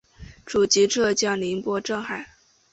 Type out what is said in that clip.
祖籍浙江宁波镇海。